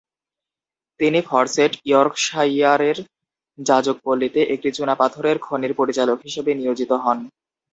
তিনি ফরসেট, ইয়র্কশাইয়ারের যাজকপল্লীতে একটি চুনাপাথরের খনির পরিচালক হিসেবে নিয়জিত হন।